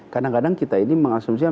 kadang kadang kita ini mengasumsi